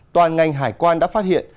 toàn ngành hải quan đã phát hiện